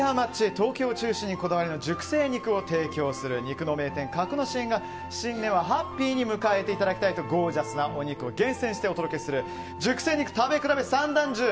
東京を中心にこだわりの熟成肉を提供する肉の名店、格之進が新年をハッピーに迎えていただきたいとゴージャスなお肉を厳選してお届けする熟成肉食べ比べ三段重。